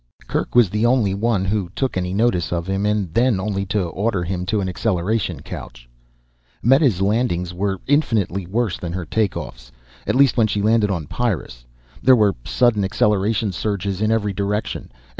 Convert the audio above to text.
Kerk was the only one who took any notice of him and then only to order him to an acceleration couch. Meta's landings were infinitely worse than her take offs. At least when she landed on Pyrrus. There were sudden acceleration surges in every direction.